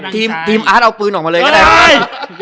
ทีมอาร์ตเอาปืนออกมาเลยก็ได้